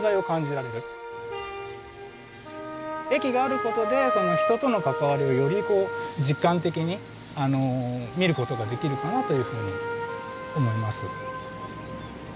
駅があることで人との関わりをより実感的に見ることができるかなというふうに思います。